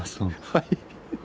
はい。